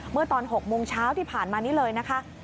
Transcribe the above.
เมื่อตอน๖โมงเช้าที่ผ่านมานี้เลยนะคะ